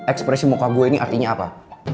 ekspresi muka gue ini artinya apa